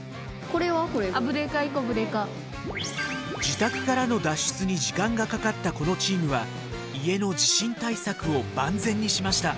自宅からの脱出に時間がかかったこのチームは家の地震対策を万全にしました。